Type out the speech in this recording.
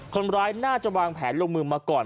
คนร้ายน่าจะวางแผนลงมือมาก่อน